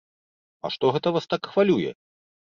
А што гэта вас так хвалюе?